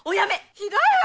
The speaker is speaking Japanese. ひどいわ！